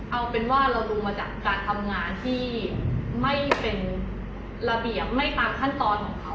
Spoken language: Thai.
เอาเป็นว่าเราดูมาจากการทำงานที่ไม่เป็นระเบียบไม่ตามขั้นตอนของเขา